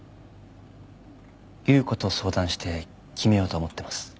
裕子と相談して決めようと思ってます。